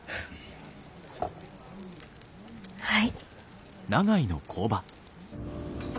はい。